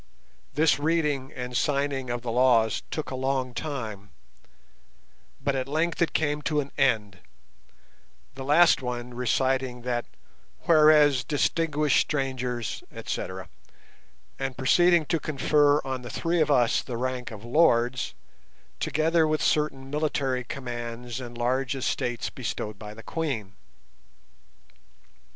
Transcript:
This reading and signing of the laws took a long time, but at length it came to an end, the last one reciting that "whereas distinguished strangers, etc.", and proceeding to confer on the three of us the rank of "lords", together with certain military commands and large estates bestowed by the Queen.